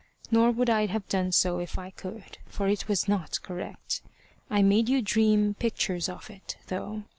Nor would I have done so if I could, for it was not correct. I made you dream pictures of it, though.